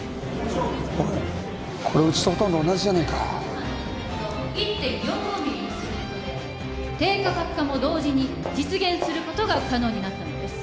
おいこれうちとほとんど同じじゃねえか１．４５ミリにすることで低価格化も同時に実現することが可能になったのです